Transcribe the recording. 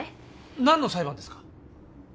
何の裁判ですか？